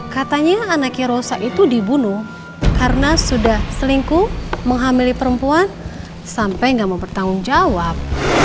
katanya anaknya rosa itu dibunuh karena sudah selingkuh menghamili perempuan sampai nggak mau bertanggung jawab